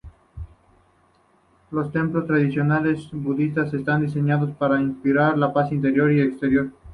Los templos tradicionales budistas están diseñados para inspirar la paz interior y exterior.